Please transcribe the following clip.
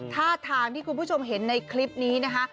ท่าทางที่คุณผู้ชมเห็นในคลิปนี้นะคะ